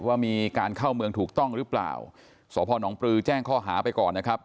ว่ามีการเข้าเมืองถูกต้องหรือเปล่าสพนปลือแจ้งข้อหาไปก่อนนะครับ